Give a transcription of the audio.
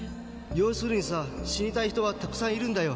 「要するにさ死にたい人はたくさんいるんだよ」